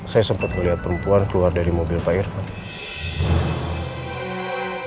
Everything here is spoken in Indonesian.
saya sempat ngeliat perempuan keluar dari mobil pak irfan